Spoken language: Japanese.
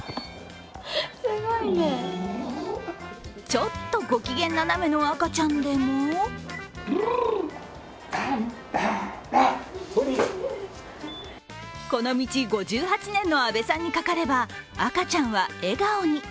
ちょっとご機嫌ななめの赤ちゃんでもこの道５８年の阿部さんにかかれば赤ちゃんは笑顔に。